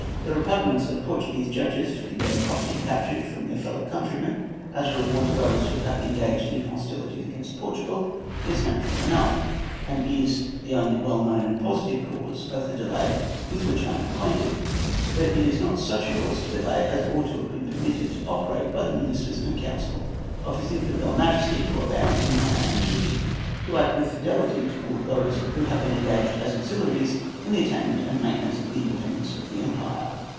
The repugnance of Portuguese judges to condemn property captured from their fellow countrymen, as a reward to those who have engaged in hostilities against Portugal, is natural enough, and is the only well known and positive cause of the delay with which I am acquainted; but it is not such a cause for delay as ought to have been permitted to operate by the ministers and council of his Imperial Majesty, who are bound in honour and duty to act with fidelity towards those who have been engaged as auxiliaries in the attainment and maintenance of the independence of the empire.